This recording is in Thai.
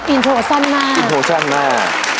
อินโทรซั่นมา